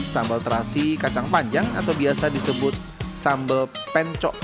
sambal terasi kacang panjang atau biasa disebut sambal pencok